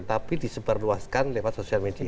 tapi disebarluaskan lewat sosial media